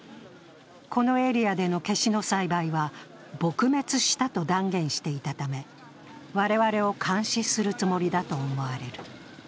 このエリアでのケシの栽培は撲滅したと断言していたため、我々を監視するつもりだと思われる。